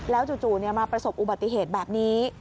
จู่มาประสบอุบัติเหตุแบบนี้